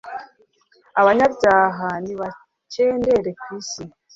Abanyabyaha nibakendere ku isi